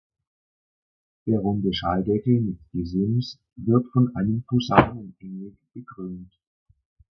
Der runde Schalldeckel mit Gesims wird von einem Posaunenengel bekrönt.